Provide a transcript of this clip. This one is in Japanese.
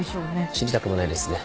知りたくもないですね